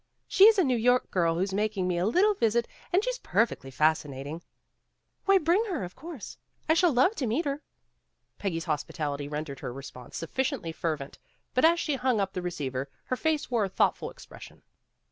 She 's a New York girl who 's making me a little visit and she's perfectly fascinating." "Why, bring her of course. I shall love to PEGGY GIVES A DINNER 189 meet her." Peggy's hospitality rendered her response sufficiently fervent, but as she hung up the receiver, her face wore a thoughtful ex pression.